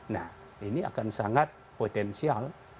nah ini akan sangat potensial